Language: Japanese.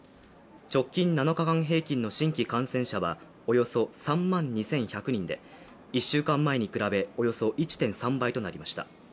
直近７日間平均の新規感染者はおよそ３万２１００人で１週間前に比べおよそ１．３倍となりました。